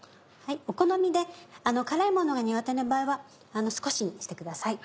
お好みで辛いものが苦手な場合は少しにしてください。